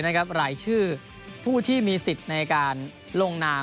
รายชื่อผู้ที่มีสิทธิ์ในการลงนาม